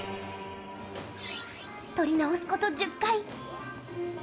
撮り直すこと１０回。